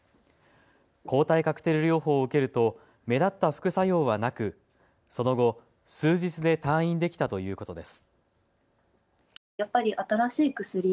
抗体カクテル療法を受けると目立った副作用はなくその後、数日で退院できたということです。